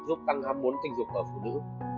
giúp tăng hâm mốn tình dục của phụ nữ